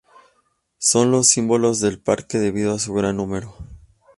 Son los símbolos del parque debido a su gran número.